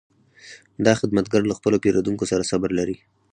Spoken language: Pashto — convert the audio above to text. دا خدمتګر له خپلو پیرودونکو سره صبر لري.